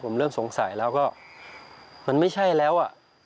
ผมเริ่มสงสัยแล้วก็มันไม่ใช่แล้วอ่ะ